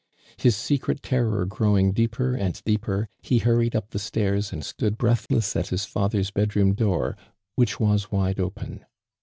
His secret terror growing deeper and deeper, he hun ied up the stairs and stood breathless at his father's bed room door, which was wide open.